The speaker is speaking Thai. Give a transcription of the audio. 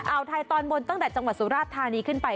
วไทยตอนบนตั้งแต่จังหวัดสุราชธานีขึ้นไป